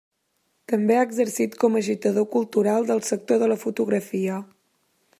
També ha exercit com a agitador cultural del sector de la fotografia.